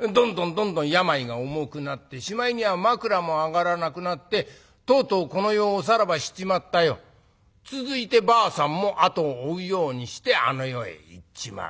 どんどんどんどん病が重くなってしまいには枕も上がらなくなってとうとうこの世をおさらばしちまったよ。続いてばあさんも後を追うようにしてあの世へ行っちまう。